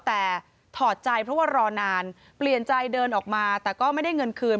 แต่ถอดใจเพราะว่ารอนานเปลี่ยนใจเดินออกมาแต่ก็ไม่ได้เงินคืน